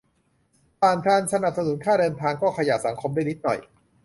ผ่านการสนับสนุนค่าเดินทาง ก็ขยับสังคมได้นิดหน่อย